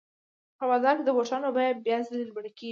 په بازار کې د بوټانو بیه بیا ځلي لوړه کېږي